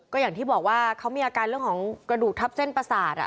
ก็อย่างที่บอกว่าเขามีอาการเรื่องของกระดูกทับเส้นประสาท